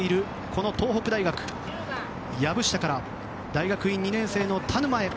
この東北大学、薮下から大学院２年生の田沼へ。